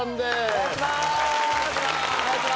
お願いします。